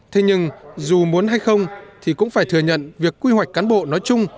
thế nhưng dù muốn hay không thì cũng phải thừa nhận việc quy hoạch cán bộ nói chung